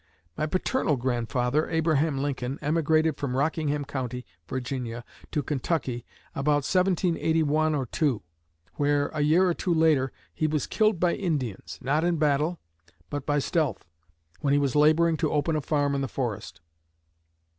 My paternal grandfather, Abraham Lincoln, emigrated from Rockingham County, Virginia, to Kentucky, about 1781 or '2, where, a year or two later, he was killed by Indians, not in battle, but by stealth, when he was laboring to open a farm in the forest.